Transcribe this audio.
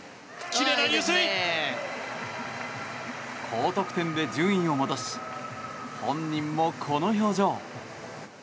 高得点で順位を戻し本人もこの表情。